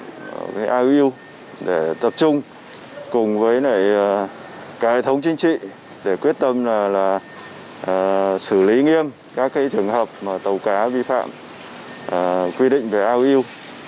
đồng thời chúng tôi cũng tập trung cùng với các hệ thống chính trị để quyết tâm xử lý nghiêm các trường hợp tàu cá vi phạm quy định về auu